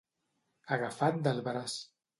Agafat del braç.